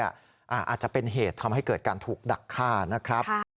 อาจจะเป็นเหตุทำให้เกิดการถูกดักฆ่านะครับ